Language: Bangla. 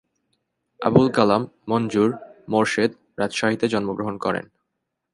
আবুল কালাম মনজুর মোরশেদ রাজশাহীতে জন্মগ্রহণ করেন।